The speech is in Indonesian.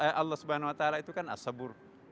eh allah swt itu kan as sabur